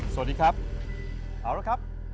สวัสดีครับเอาละครับ